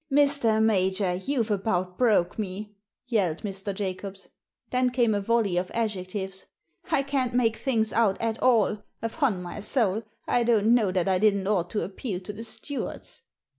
"Mr. Major, you've about broke me," yelled Mr. Jacobs. Then came a volley of adjectives. "I can't make things out at all. Upon my soul, I don't know that I didn't ought to appeal to the stewards."